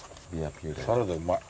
サラダうまい。